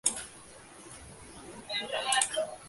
Kedua politikus itu bertatap muka untuk pertama kalinya.